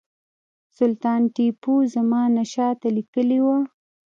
سلطان ټیپو زمانشاه ته لیکلي وه.